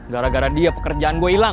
gara gara dia pekerjaan gue hilang